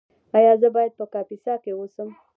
ایا زه باید په کاپیسا کې اوسم؟